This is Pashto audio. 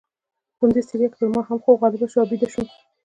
په همدې ستړیا کې پر ما هم خوب غالبه شو او بیده شوم.